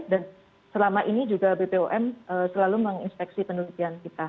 dan selama ini juga bpom selalu menginspeksi penelitian kita